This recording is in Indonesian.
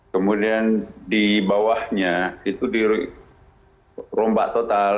kemudian di bawahnya itu dirombak total